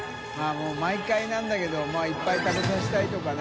もう毎回なんだけどいっぱい食べさせたいとかね。